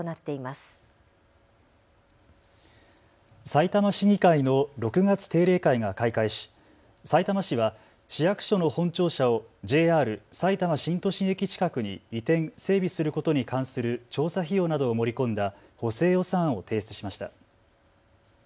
さいたま市議会の６月定例会が開会し、さいたま市は市役所の本庁舎をＪＲさいたま新都心駅近くに移転・整備することに関する調査費用などを盛り込んだ補正予算案を提出しました。